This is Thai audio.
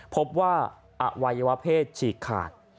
พบว่าอวัยวะเพศฉีกขาด